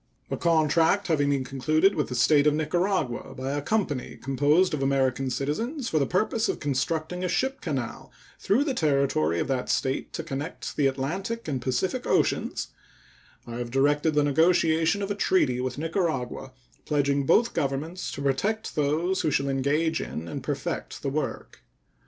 A contract having been concluded with the State of Nicaragua by a company composed of American citizens for the purpose of constructing a ship canal through the territory of that State to connect the Atlantic and Pacific oceans, I have directed the negotiation of a treaty with Nicaragua pledging both Governments to protect those who shall engage in and perfect the work.